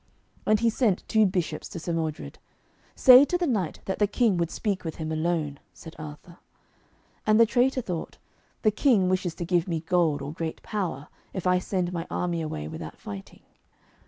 And he sent two bishops to Sir Modred. 'Say to the knight that the King would speak with him alone,' said Arthur. And the traitor thought, 'The King wishes to give me gold or great power, if I send my army away without fighting.'